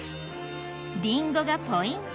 りんごがポイント